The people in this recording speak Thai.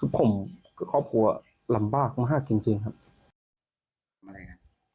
ผมครอบครัวลำบากมากจริงครับ